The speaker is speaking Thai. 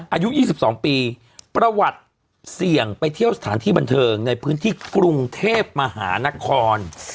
อายุ๒๒ปีประวัติเสี่ยงไปเที่ยวสถานที่บันเทิงในพื้นที่กรุงเทพมหานคร